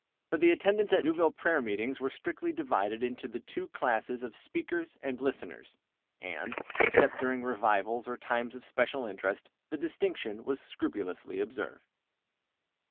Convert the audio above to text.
For the attendants at Newville prayer meetings were strictly divided into the two classes of speakers and listeners, and, except during revivals or times of special interest, the distinction was scrupulously observed.